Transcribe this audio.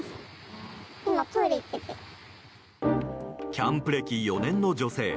キャンプ歴４年の女性。